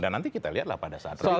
dan nanti kita lihatlah pada saat